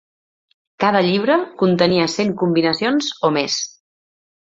Cada llibre contenia cent combinacions o més.